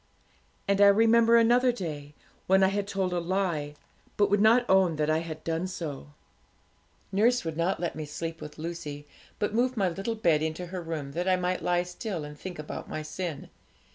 'And I remember another day, when I had told a lie, but would not own that I had done so. Nurse would not let me sleep with Lucy, but moved my little bed into her room, that I might lie still and think about my sin.